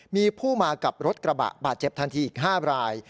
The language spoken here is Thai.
มีผู้มากับรถกระบะบาดเจ็บทันทีอีก๕ราย